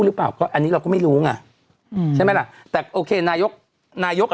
หรือเปล่าก็อันนี้เราก็ไม่รู้ไงอืมใช่ไหมล่ะแต่โอเคนายกนายกอ่ะ